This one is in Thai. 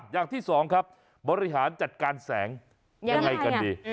อย่างที่สองครับบริหารจัดการแสงยังไงกันดี